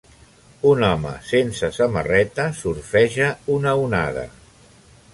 Un home sense samarreta surfeja una onada.